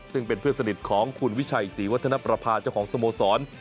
ซึ่งเป็นเพื่อนสนิทของคุณวิชัยศรีวัฒนประพาเจ้าของสโมสร